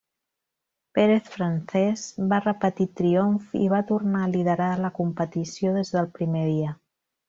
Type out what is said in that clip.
Pérez-Francés, va repetir triomf i va tornar a liderar la competició des del primer dia.